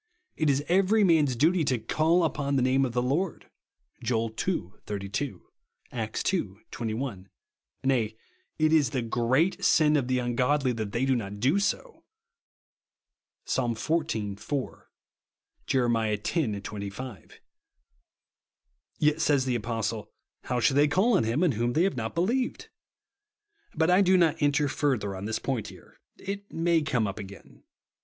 It is every man's duty to " call upon the name of the Lord," (Joel ii. 32 ; Acts ii. 21) ; nay, it is the great sin of the ungodly that they do not do so, (Psa. xiv. 4 ; Jer. x. 25). Yet says the Apostle, "How shall they call on him in whom they have not believed V But I do not enter further on this point here. It may come up again.